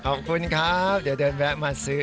ขอบคุณครับเดี๋ยวเดินแวะมาซื้อ